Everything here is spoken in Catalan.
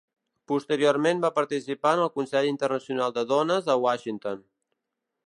Posteriorment va participar en el Consell Internacional de Dones a Washington.